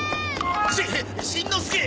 ししんのすけ！？